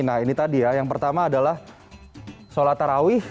nah ini tadi ya yang pertama adalah sholat tarawih